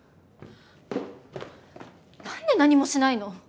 なんで何もしないの⁉